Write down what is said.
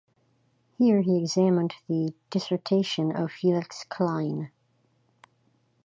Here he examined the dissertation of Felix Klein.